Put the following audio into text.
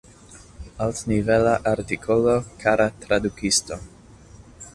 Altnivela artikolo, kara tradukisto.